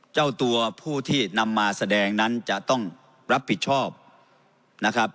เจ้าตัวผู้ที่นำมาแสดงนั้นจะต้องรับผิดชอบนะครับ